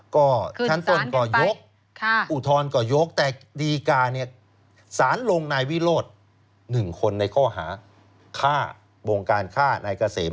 ก็ชั้นต้นก็ยกอุทธรณ์ก็ยกแต่ดีการเนี่ยสารลงนายวิโรธ๑คนในข้อหาฆ่าวงการฆ่านายเกษม